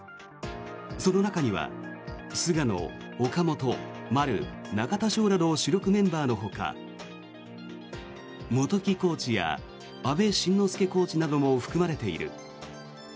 その中には菅野、岡本、丸中田翔など主力メンバーのほか元木コーチや阿部慎之助コーチなども含まれている。